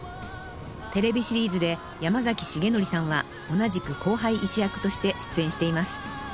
［テレビシリーズで山崎樹範さんは同じく後輩医師役として出演しています］